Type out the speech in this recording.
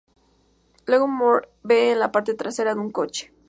Luego Moore ve en la parte trasera de un coche.